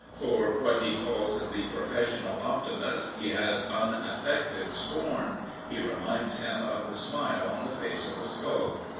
For what he calls the professional optimist he has unafiected scorn. He reminds him of the smile on the face of a skull.